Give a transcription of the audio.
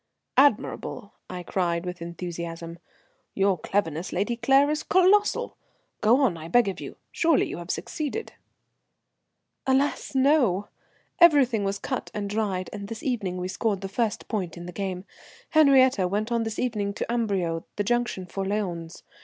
"Admirable!" I cried, with enthusiasm. "Your cleverness, Lady Claire, is colossal. Go on, I beg of you. Surely you have succeeded?" "Alas! no. Everything was cut and dried and this evening we scored the first point in the game. Henriette went on this evening to Amberieu, the junction for Lyons.